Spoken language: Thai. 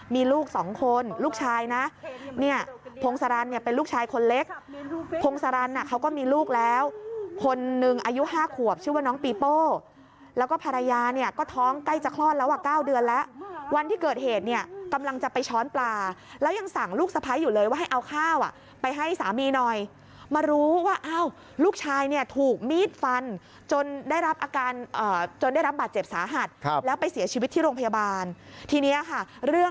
มีลูกสองคนลูกชายนะเนี้ยพงศาลเนี้ยเป็นลูกชายคนเล็กพงศาลน่ะเขาก็มีลูกแล้วคนหนึ่งอายุห้าขวบชื่อว่าน้องปีโป้แล้วก็ภรรยาเนี้ยก็ท้องใกล้จะคล่อนแล้วอ่ะเก้าเดือนแล้ววันที่เกิดเหตุเนี้ยกำลังจะไปช้อนปลาแล้วยังสั่งลูกสะพ้ายอยู่เลยว่าให้เอาข้าวอ่ะไปให้สามีหน่อยมารู้ว่าอ้าวลูกชายเน